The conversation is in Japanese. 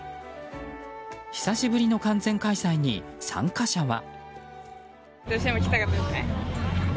久しぶりの完全開催に参加者は。